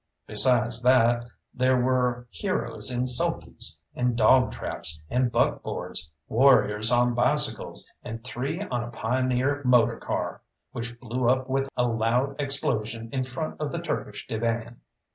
Besides that there were heroes in sulkies, and dog traps, and buckboards, warriors on bicycles, and three on a pioneer motor car, which blew up with a loud explosion in front of the Turkish Divan.